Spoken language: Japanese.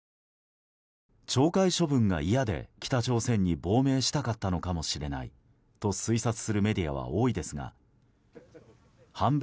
懲戒処分が嫌で北朝鮮に亡命したかったのかもしれないと推察するメディアは多いですが反米